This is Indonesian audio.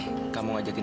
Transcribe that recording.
hai ada apa nih